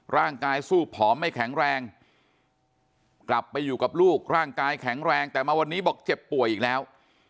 ร่างกายสู้ผอมไม่แข็งแรงกลับไปอยู่กับลูกร่างกายแข็งแรงแต่มาวันนี้บอกเจ็บป่วยอีกแล้ว